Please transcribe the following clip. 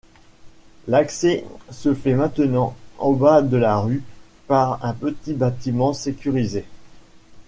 L'accès se fait maintenant au bas de la rue par un petit bâtiment sécurisé.